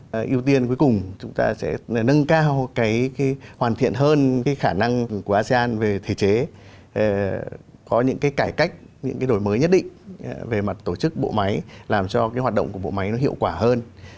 cái ưu tiên cuối cùng chúng ta sẽ nâng cao cái hoàn thiện hơn cái khả năng của asean về thể chế có những cái cải cách những cái đổi mới nhất định về mặt tổ chức bộ máy làm cho cái hoạt động của bộ máy nó hiệu quả hơn